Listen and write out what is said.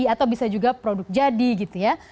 atau bisa juga produk jadi gitu ya